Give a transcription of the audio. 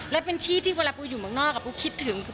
และเป็นที่ที่เวลาปูอยู่เมืองนอกปูคิดถึง